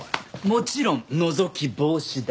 もちろんのぞき防止だ。